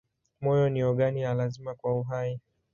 Moyo ni ogani ya lazima kwa uhai.